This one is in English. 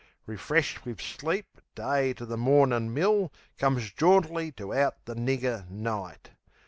Refreshed wiv sleep Day to the mornin' mill Comes jauntily to out the nigger, Night.